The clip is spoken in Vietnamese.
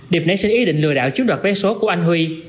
điệp nãy xin ý định lừa đảo chiếm đoạt vé số của anh huy